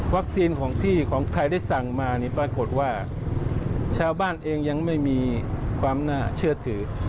ของที่ของไทยได้สั่งมานี่ปรากฏว่าชาวบ้านเองยังไม่มีความน่าเชื่อถือ